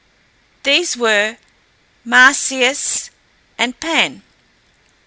These were Marsyas and Pan.